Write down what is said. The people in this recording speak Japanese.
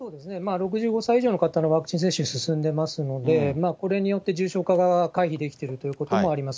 ６５歳以上の方のワクチン接種が進んでますので、これによって重症化が回避できているということもあります。